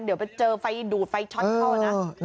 เดี๋ยวไปเจอไฟดูดไฟช็อตเข้านะ